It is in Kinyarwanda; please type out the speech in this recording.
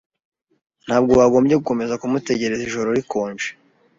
[S] Ntabwo wagombye gukomeza kumutegereza ijoro rikonje.